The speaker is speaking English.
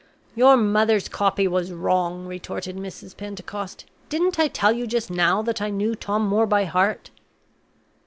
"Your mother's copy was wrong," retorted Mrs. Pentecost. "Didn't I tell you just now that I knew Tom Moore by heart?"